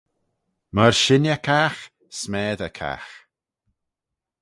Myr shinney cagh, smessey cagh